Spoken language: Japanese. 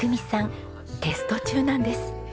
テスト中なんです。